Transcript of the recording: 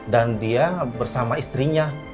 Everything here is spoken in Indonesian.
dan dia bersama istrinya